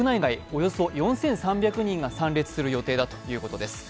およそ４３００人が参列する予定だということです。